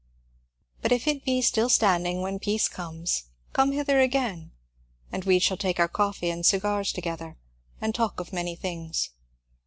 But if it be still standing when peace comes, come hither again, and we shall take our coffee and cigars together, and talk of many things.